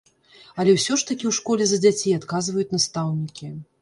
Але ўсё ж такі ў школе за дзяцей адказваюць настаўнікі.